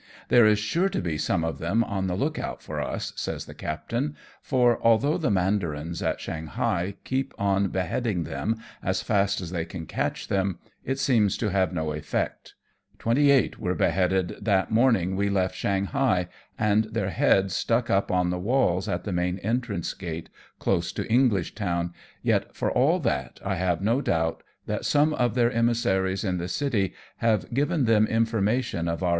" There is sure to be some of them on the look out for us," says the captain, "for, although the mandarins at Shanghai keep on beheading them as fast as they can catch them, it seems to have no effect. Twenty eight were beheaded that morning we left Shanghai, and their heads stuck up on the walls, at the main entrance gate, close to English Town, yet, for all that, I have no doubt that some of their emis saries in the city have given them information of our 22 AMONG TYPHOONS AND F IRATE CRAFT.